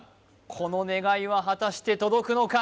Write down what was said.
この願いは果たして届くのか？